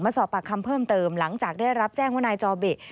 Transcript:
สอบปากคำเพิ่มเติมหลังจากได้รับแจ้งว่านายจอดิ